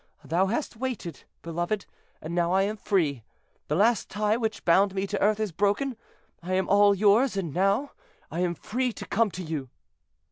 Thou hast waited, beloved, and now I am free: the last tie which bound me to earth is broken. I am all yours, and now I am free to come to you."